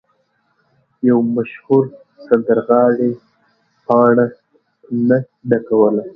یو مشهور سندرغاړی پاڼه نه ډکوله.